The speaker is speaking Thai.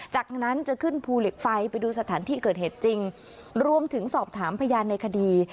จากนั้นจะขึ้นภูเหล็กไฟไปดูสถานที่เกิดเหตุจริงรวมถึงสอบถามพยานในคดี